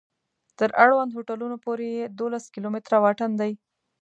تر اړوندو هوټلونو پورې یې دولس کلومتره واټن دی.